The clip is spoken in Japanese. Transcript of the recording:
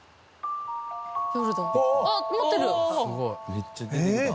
めっちゃ出てきた。